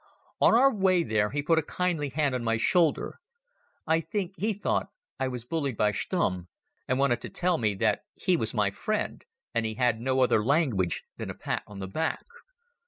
On our way there he put a kindly hand on my shoulder. I think he thought I was bullied by Stumm and wanted to tell me that he was my friend, and he had no other language than a pat on the back.